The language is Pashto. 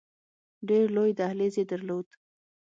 ډېر لوی دهلیز یې درلود.